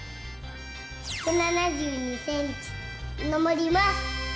１７２センチのぼります！